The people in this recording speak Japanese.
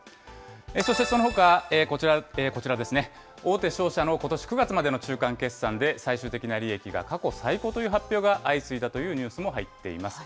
そしてそのほか、こちらですね、大手商社のことし９月までの中間決算で最終的な利益が過去最高という発表が相次いだというニュースも入っています。